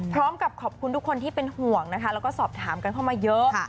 พร้อมกับขอบคุณทุกคนที่เป็นห่วงนะคะแล้วก็สอบถามกันเข้ามาเยอะ